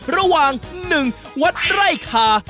ระหว่าง๑วัดไร่คา